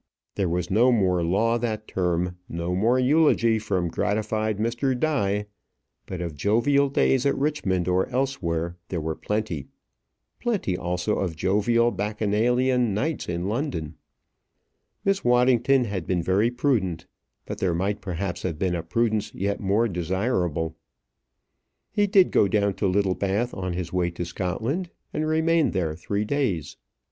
There was no more law that term; no more eulogy from gratified Mr. Die; but of jovial days at Richmond or elsewhere there were plenty; plenty also of jovial Bacchanalian nights in London. Miss Waddington had been very prudent; but there might perhaps have been a prudence yet more desirable. He did go down to Littlebath on his way to Scotland, and remained there three days.